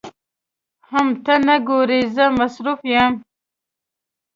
حم ته نه ګورې زه مصروف يم.